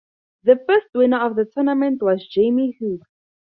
The first winner of the tournament was Jamie Hughes.